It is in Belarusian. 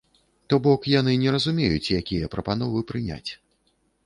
То бок, яны не разумеюць, якія прапановы прыняць.